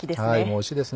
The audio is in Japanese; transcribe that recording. おいしいです